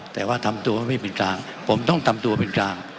แต่ว่าทำตัวว่าไม่เป็นกลางผมต้องทำตัวเป็นกลาง